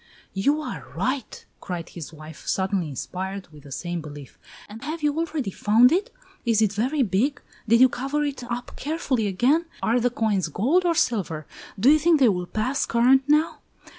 "You are right!" cried his wife, suddenly inspired with the same belief; "and have you already found it? Is it very big? Did you cover it up carefully again? Are the coins gold or silver? Do you think they will pass current now?